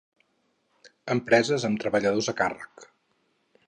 Empreses amb treballadors a càrrec.